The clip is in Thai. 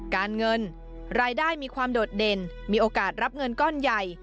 การเงินรายได้มีความโดดเด่นมีโอกาสรับเงินก้อนใหญ่